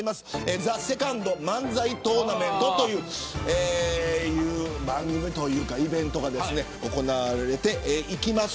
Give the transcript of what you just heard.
ＴＨＥＳＥＣＯＮＤ漫才トーナメントという番組というかイベントが行われていきます。